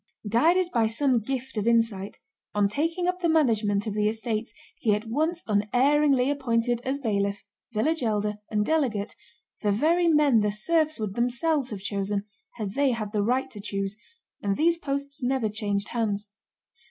Guided by some gift of insight, on taking up the management of the estates he at once unerringly appointed as bailiff, village elder, and delegate, the very men the serfs would themselves have chosen had they had the right to choose, and these posts never changed hands.